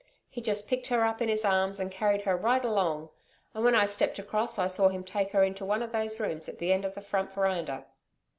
He just picked her up in his arms, and carried her right along, and when I stepped across I saw him take her into one of those rooms at the end of the front veranda....'